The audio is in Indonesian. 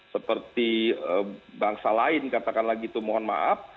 seperti bangsa lain katakanlah gitu mohon maaf